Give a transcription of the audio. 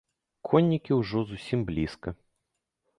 Коннікі ўжо зусім блізка.